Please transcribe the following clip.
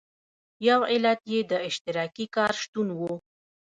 یو علت یې د اشتراکي کار شتون و.